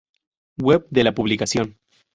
Web de la publicación